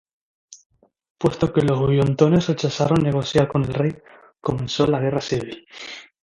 Puesto que los hugonotes rechazaron negociar con el rey, comenzó la Guerra Civil.